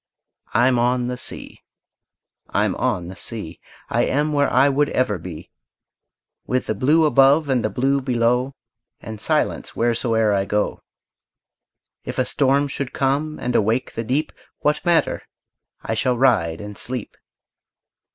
I'm on the sea, I'm on the sea, I am where I would ever be, With the blue above and the blue below, And silence wheresoe'er I go. If a storm should come and awake the deep, What matter? I shall ride and sleep.